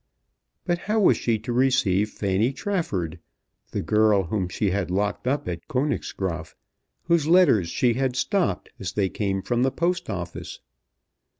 But how was she to receive Fanny Trafford, the girl whom she had locked up at Königsgraaf, whose letters she had stopped as they came from the Post Office?